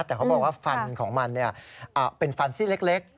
แต่เขาบอกว่าฟันของมันเป็นฟันซี่เล็ก